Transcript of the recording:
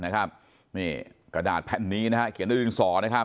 กระดาษแผ่นนี้เขียนด้วยดินสอ